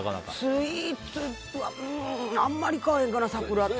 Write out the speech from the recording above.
スイーツはあんまり買わへんかな、桜って。